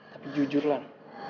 tapi jujur lah